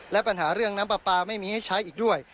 และปัญหาเรื่องน้ำปลาปลาไม่มีให้ใช้อีกด้วย